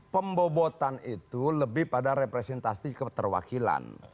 pembobotan itu lebih pada representasi keterwakilan